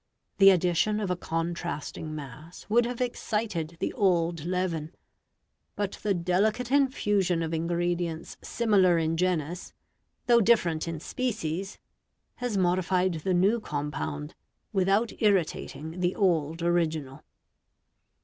The addition of a contrasting mass would have excited the old leaven, but the delicate infusion of ingredients similar in genus, though different in species, has modified the new compound without irritating the old original.